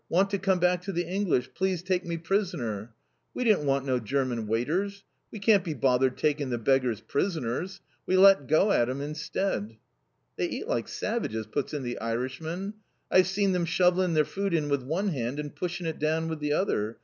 want to come back to the English. Please take me prisoner.' We didn't want no German waiters. We can't be bothered takin' the beggars prisoners. We let go at him instead!" "They eat like savages!" puts in the Irishman. "I've see them shovelling their food in with one hand and pushing it down with the other.